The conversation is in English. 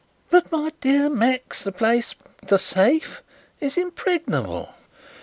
"But, my dear Max, the place 'The Safe' is impregnable!"